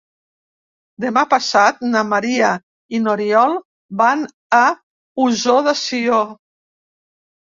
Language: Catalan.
Demà passat na Maria i n'Oriol van a Ossó de Sió.